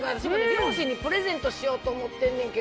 両親にプレゼントしようと思ってんねんけど。